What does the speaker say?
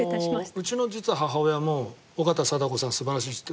うちの実は母親も緒方貞子さん素晴らしいって。